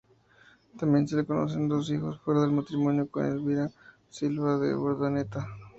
Tambien se le conocen dos hijos fuera de matrimonio, con Elvira Silva de Urdaneta.